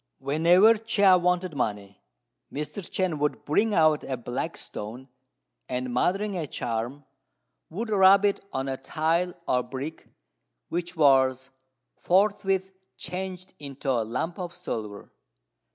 Whenever Chia wanted money, Mr. Chên would bring out a black stone, and, muttering a charm, would rub it on a tile or a brick, which was forthwith changed into a lump of silver.